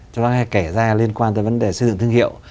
chúng ta đã kể ra liên quan tới vấn đề xây dựng thương hiệu